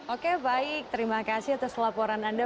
oke baik terima kasih atas laporan anda